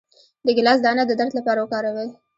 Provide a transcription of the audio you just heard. د ګیلاس دانه د درد لپاره وکاروئ